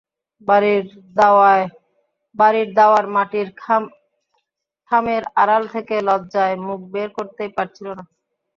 বাড়ির দাওয়ার মাটির থামের আড়াল থেকে লজ্জায় মুখ বের করতেই পারছিল না।